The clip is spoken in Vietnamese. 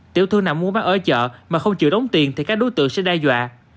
tiểu thương nào muốn bán ở chợ mà không chịu đóng tiền thì các đối tượng sẽ đe dọa